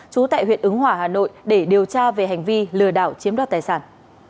trú tại huyện ứng hòa hà nội để điều tra về hành vi lừa đảo chiếm đoạt tài sản